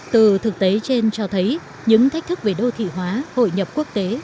từ thực tế trên cho thấy những thách thức về đô thị hóa hội nhập quốc tế